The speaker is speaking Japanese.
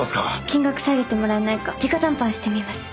金額下げてもらえないか直談判してみます。